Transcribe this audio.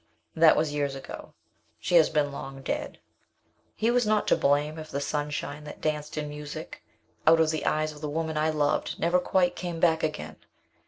That was years ago. She has long been dead. He was not to blame if the sunshine that danced in music out of the eyes of the woman I loved never quite came back again.